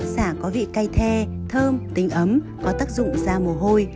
xả có vị cay the thơm tính ấm có tác dụng ra mồ hôi